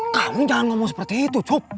kamu jangan ngomong seperti itu cup